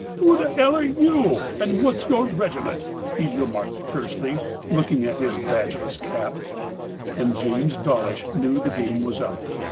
" Who the 'ell are you, and what's your regiment ?" he remarked tersely, looking at his badgeless cap. And James Dawlish knew the game was up.